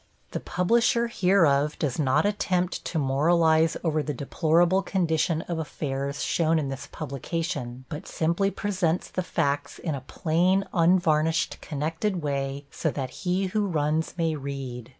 The publisher hereof does not attempt to moralize over the deplorable condition of affairs shown in this publication, but simply presents the facts in a plain, unvarnished, connected way, so that he who runs may read.